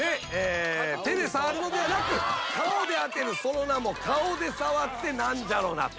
手で触るのではなく顔で当てるその名も「顔で触ってなんじゃろな」